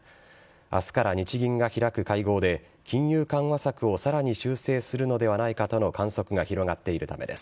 あすから日銀が開く会合で、金融緩和策をさらに修正するのではないかとの観測が広がっているためです。